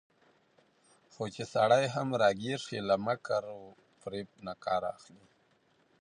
خو چې سړى هم راګېر شي، له مکر وفرېب نه کار اخلي